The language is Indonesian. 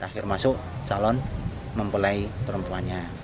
akhir masuk calon mempelai perempuannya